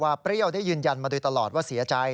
เปรี้ยวได้ยืนยันมาโดยตลอดว่าเสียใจ